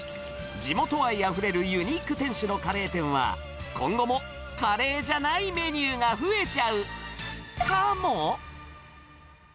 地元愛あふれるユニーク店主のカレー店は、今後もカレーじゃないメニューが増えちゃうかも？